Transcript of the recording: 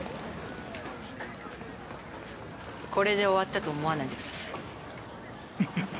これで終わったと思わないでください。